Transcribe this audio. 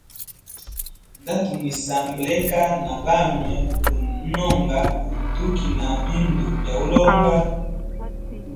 Ndatumwisamba leka na banwe guno mononga tukina bindu bya ulonga.